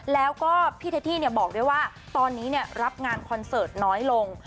แล้วก็พี่เท่บอกด้วยว่าตอนนี้รับงานคอนเสิร์ตน้อยลง